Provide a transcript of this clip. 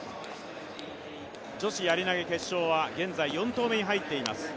女子やり投決勝は現在４投目まできています。